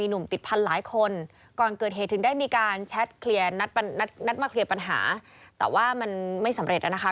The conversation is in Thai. นัดมาเคลียร์ปัญหาแต่ว่ามันไม่สำเร็จนะคะ